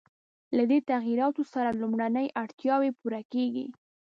له دې تغییراتو سره لومړنۍ اړتیاوې پوره کېږي.